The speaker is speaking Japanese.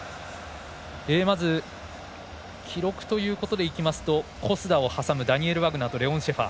まず、記録ということでいきますと小須田を挟むダニエル・ワグナーとレオン・シェファー。